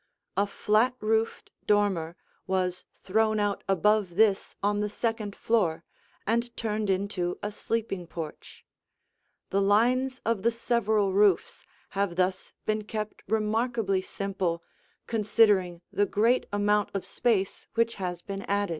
A flat roofed dormer was thrown out above this on the second floor and turned into a sleeping porch. The lines of the several roofs have thus been kept remarkably simple, considering the great amount of space which has been added.